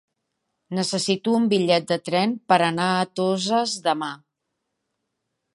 Necessito un bitllet de tren per anar a Toses demà.